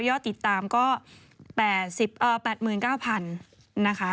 อดติดตามก็๘๙๐๐นะคะ